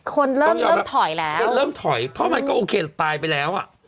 คนเริ่มเริ่มถอยแล้วจะเริ่มถอยเพราะมันก็โอเคตายไปแล้วอ่ะ